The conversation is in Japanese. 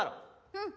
うん。